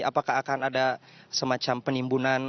apakah akan ada semacam penimbunan